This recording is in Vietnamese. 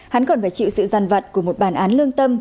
hắn còn phải chịu sự giàn vật của một bản án lương tâm